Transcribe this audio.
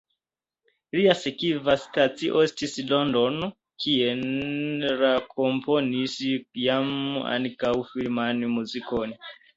Lia sekva stacio estis Londono, kie li komponis jam ankaŭ filman muzikon.